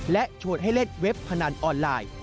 และชวนให้เล่นเว็บพนันออนไลน์